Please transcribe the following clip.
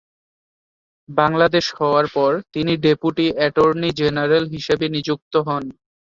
বাংলাদেশ হওয়ার পর তিনি ডেপুটি অ্যাটর্নি জেনারেল হিসেবে নিযুক্ত হন।